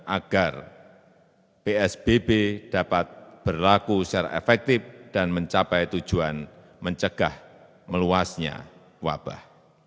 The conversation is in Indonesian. agar psbb dapat berlaku secara efektif dan mencapai tujuan mencegah meluasnya wabah